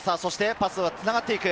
パスがつながっていく。